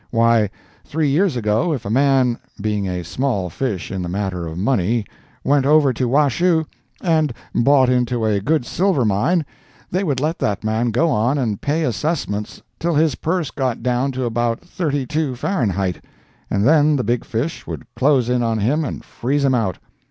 Why, three years ago, if a man—being a small fish in the matter of money—went over to Washoe, and bought into a good silver mine, they would let that man go on and pay assessments till his purse got down to about thirty two Fahrenheit, and then the big fish would close in on him and freeze him out.